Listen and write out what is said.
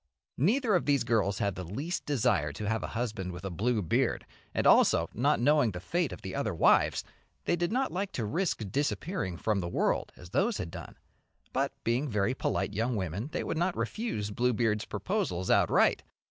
Neither of these girls had the least desire to have a husband with a blue beard, and also, not knowing the fate of the other wives, they did not like to risk disappearing from the world as those had done, but being very polite young women they would not refuse Bluebeard's proposals outright.